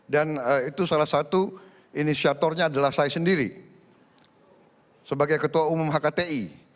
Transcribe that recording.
dan itu salah satu inisiatornya adalah saya sendiri sebagai ketua umum hkti